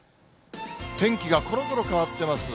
天気がころころ変わってます。